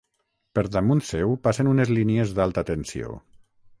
Per damunt seu passen unes línies d'alta tensió.